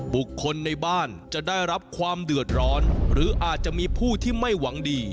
บุคคลในบ้านจะได้รับความเดือดร้อนหรืออาจจะมีผู้ที่ไม่หวังดี